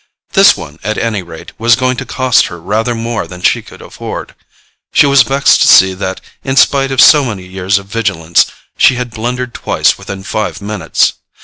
This one, at any rate, was going to cost her rather more than she could afford. She was vexed to see that, in spite of so many years of vigilance, she had blundered twice within five minutes.